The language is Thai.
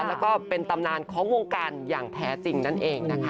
แล้วก็เป็นตำนานของวงการอย่างแท้จริงนั่นเองนะคะ